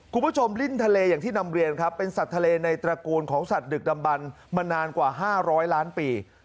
คุณผู้ชมลิ้นทะเลอย่างที่นำเรียนครับเป็นสัตว์ทะเลในตระกูลของสัตว์ดึกดำบันมานานกว่า๕๐๐ล้านปี